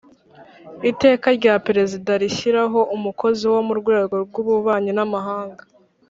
Iteka rya Perezida rishyiraho umukozi wo mu rwego rw ububanyi n amahanga